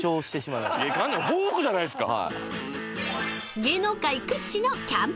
フォークじゃないっすか。